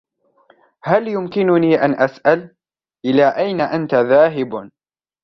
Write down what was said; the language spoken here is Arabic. هل يمكنني أن أسأل, إلى أين أنتَ ذاهب ؟